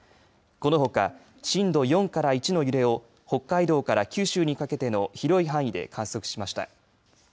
このほか震度４から１の揺れを北海道から九州にかけての広い範囲で観測しました。